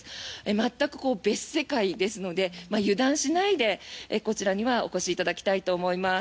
全く別世界ですので油断しないでこちらにはお越しいただきたいと思います。